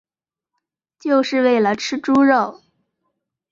就是为了吃猪肉